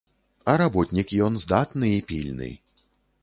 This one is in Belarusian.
А работнік ён здатны і пільны.